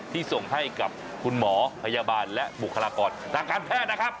ส่งให้กับคุณหมอพยาบาลและบุคลากรทางการแพทย์นะครับ